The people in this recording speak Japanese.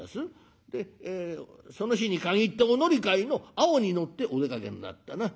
「その日に限ってお乗り換えの青に乗ってお出かけになったな。